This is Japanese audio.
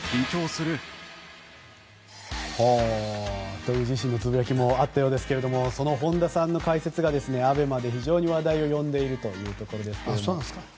そんな自身のつぶやきもあったようですがその本田さんの解説がＡＢＥＭＡで話題を呼んでいるというところですけども。